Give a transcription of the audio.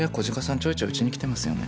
ちょいちょいうちに来てますよね。